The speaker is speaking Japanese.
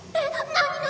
何何！？